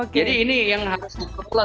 jadi ini yang harus diperlukan